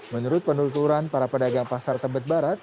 menurut penuturan para pedagang pasar tebet barat